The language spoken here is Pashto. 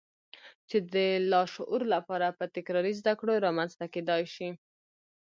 چې د لاشعور لپاره په تکراري زدهکړو رامنځته کېدای شي.